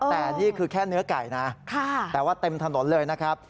แต่นี่คือแค่เนื้อไก่นะแต่ว่าเต็มถนนเลยนะครับ